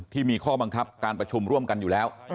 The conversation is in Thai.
ที่มีข้อบังคับการประชุมร่วมกันอยู่แล้ว